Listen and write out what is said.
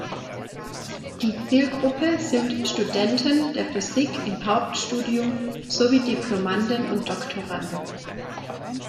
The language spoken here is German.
Die Zielgruppe sind Studenten der Physik im Hauptstudium sowie Diplomanden und Doktoranden.